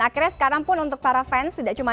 akhirnya sekarang pun untuk para fans tidak cuma